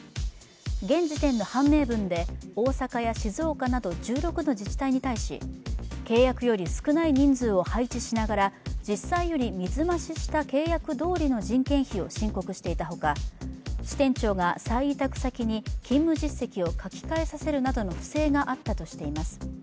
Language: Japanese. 現時点の判明分で大阪や静岡など１６の自治体に対し契約より少ない人数を配置しながら、実際より水増しした契約どおりの人件費を申告していたほか、支店長が再委託先に勤務実績を書き換えさせるなどの不正があったとしています。